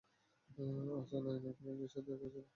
আজ নায়নার ফ্রেন্ড এর সাথে দেখা হয়েছিল।